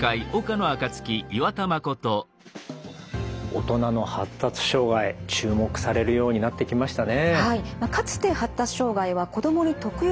大人の発達障害注目されるようになってきましたね。